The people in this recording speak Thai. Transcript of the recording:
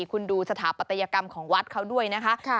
คุณดูสถาปัตยกรรมของวัดเขาด้วยนะคะ